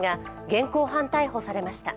現行犯逮捕されました。